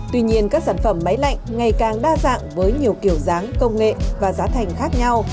tuy nhiên các sản phẩm máy lạnh ngày càng đa dạng với nhiều kiểu dáng công nghệ và giá thành khác nhau